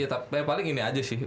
tapi paling ini aja sih